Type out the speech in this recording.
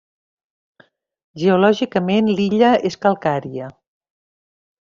Geològicament l'illa és calcària.